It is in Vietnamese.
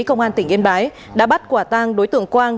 công an tỉnh yên bái đã bắt quả tang đối tượng quang